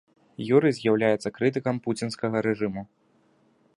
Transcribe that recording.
Юрый з'яўляецца крытыкам пуцінскага рэжыму.